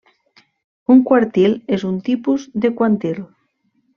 Un quartil és un tipus de quantil.